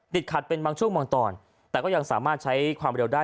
ขัดเป็นบางช่วงบางตอนแต่ก็ยังสามารถใช้ความเร็วได้